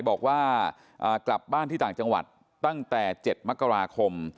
บอกว่ากลับบ้านที่ต่างจังหวัดตั้งแต่๗มกราคม